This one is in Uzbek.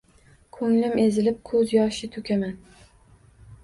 Ko’nglim ezilib, ko’z yoshi to’kaman.